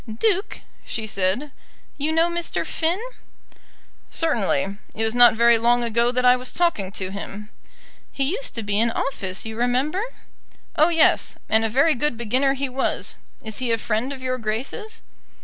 "Duke," she said, "you know Mr. Finn?" "Certainly. It was not very long ago that I was talking to him." "He used to be in office, you remember." "Oh yes; and a very good beginner he was. Is he a friend of Your Grace's?"